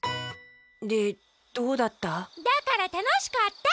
でどうだった？